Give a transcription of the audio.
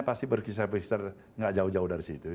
pasti berkisah kisah enggak jauh jauh dari situ